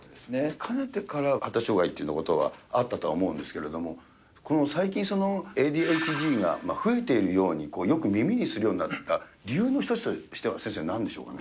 かねてから発達障害というのはあったとは思うんですけれども、最近、ＡＤＨＤが増えているようによく耳にするようになった理由の一つとしては、先生、なんでしょうかね。